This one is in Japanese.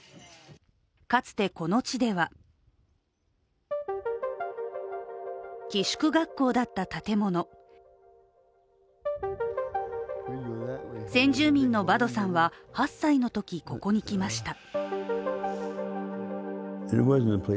かつてこの地では寄宿学校だった建物先住民のバドさんは８歳のときここに来ました。